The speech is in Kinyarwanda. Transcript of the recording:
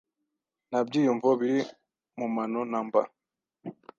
Nta byiyumvo biri mu mano namba.